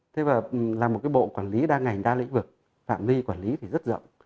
thế và là một cái bộ quản lý đa ngành đa lĩnh vực phạm vi quản lý thì rất rộng